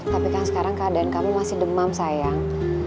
tapi kan sekarang keadaan kamu masih demam sayang